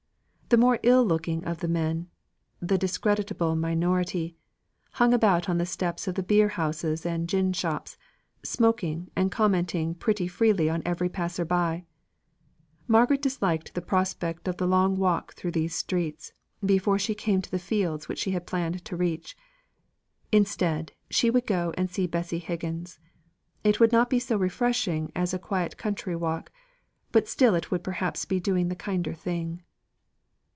The more ill looking of the men the discreditable minority hung about on the steps of the beer houses and gin shops, smoking, and commenting pretty freely on every passer by. Margaret disliked the prospect of the long walk through these streets, before she came to the fields which she had planned to reach. Instead, she would go and see Bessy Higgins. It would not be so refreshing as a quiet country walk, but still it would perhaps be doing the kinder thing.